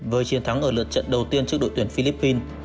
với chiến thắng ở lượt trận đầu tiên trước đội tuyển philippines